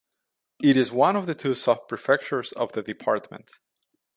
It is one of the two subprefectures of the department.